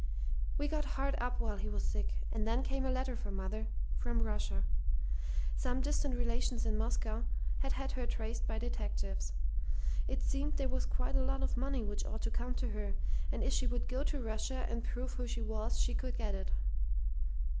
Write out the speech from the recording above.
We got hard up while he was sick; and then came a letter for mother from Russia. Some distant relations in Moscow had had her traced by detectives. It seemed there was quite a lot of money which ought to come to her, and if she would go to Russia and prove who she was she could get it.